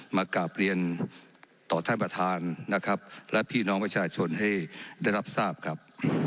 มากราบเรียนต่อท่านประธานนะครับและพี่น้องประชาชนให้ได้รับทราบครับ